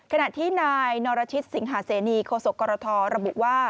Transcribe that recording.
ขณะที่นายนรชิตสิงหาเสนีโคศกรทระบุว่า